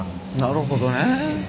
なるほどね。